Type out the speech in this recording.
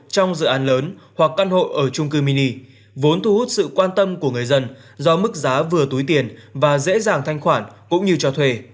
trong dự án lớn hoặc căn hộ ở trung cư mini vốn thu hút sự quan tâm của người dân do mức giá vừa túi tiền và dễ dàng thanh khoản cũng như cho thuê